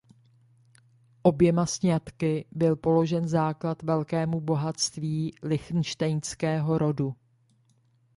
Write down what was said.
Oběma sňatky byl položen základ velkému bohatství Lichtenštejnského rodu.